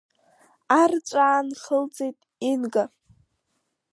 Арҵәаа нхылҵеит Инга.